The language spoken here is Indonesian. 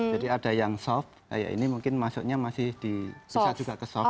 jadi ada yang soft ini mungkin masuknya masih bisa juga ke soft